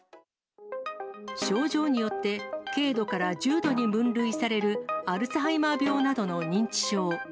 症状によって、軽度から重度に分類されるアルツハイマー病などの認知症。